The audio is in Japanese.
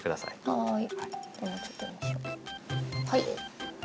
はい。